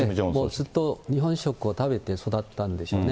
もうずっと日本食を食べて育ったんでしょうね。